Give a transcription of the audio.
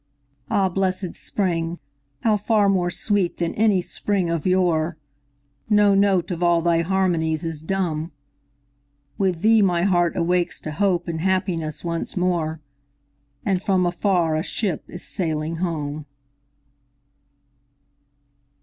Ah, blessed spring!—how far more sweet than any spring of yore! No note of all thy harmonies is dumb; With thee my heart awakes to hope and happiness once more, And from afar a ship is sailing home!